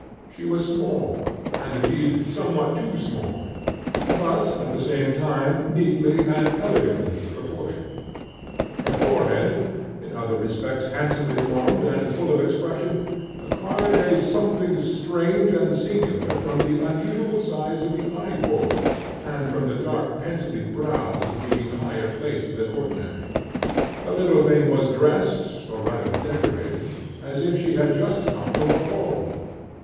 She was small, and, indeed, somewhat too small, but, at the same time, neatly and elegantly proportioned. Her forehead, in other respects handsomely formed and full of expression, acquired a something strange and singular from the unusual size of the eyeballs, and from the dark pencilly brows being higher placed than ordinary. The little thing was dressed, or rather decorated, as if she had just come from a ball.